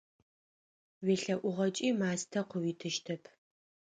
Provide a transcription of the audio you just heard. УелъэӀугъэкӀи мастэ къыуитыщтэп.